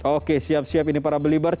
oke siap siap ini para belibar